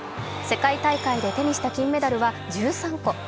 世界大会で手にした金メダルは１３個。